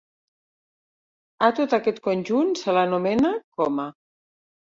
A tot aquest conjunt se l'anomena coma.